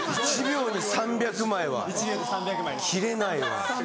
１秒に３００枚は切れないです。